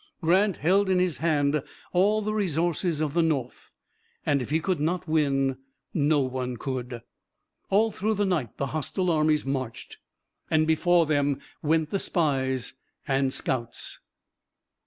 Grant held in his hand all the resources of the North, and if he could not win no one could. All through the night the hostile armies marched, and before them went the spies and scouts.